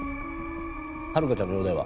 遥香ちゃんの容体は？